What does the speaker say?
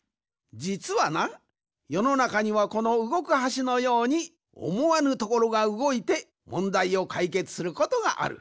じつはなよのなかにはこのうごく橋のようにおもわぬところがうごいてもんだいをかいけつすることがある。